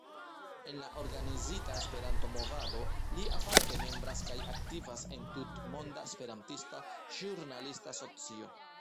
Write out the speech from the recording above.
En la organizita Esperanto-movado, li aparte membras kaj aktivas en Tutmonda Esperantista Ĵurnalista Asocio.